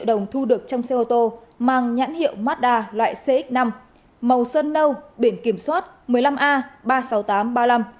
đồng thu được trong xe ô tô mang nhãn hiệu mazda loại cx năm màu sơn nâu biển kiểm soát một mươi năm a ba mươi sáu nghìn tám trăm ba mươi năm